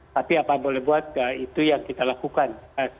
tapi apa boleh buat itu yang kita lakukan